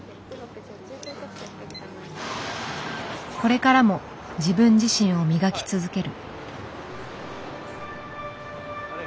これからも自分自身を磨き続ける。